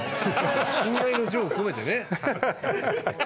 親愛の情を込めてね。